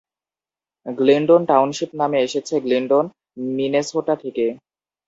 Glendon township নামটি এসেছে Glyndon, Minnesota থেকে।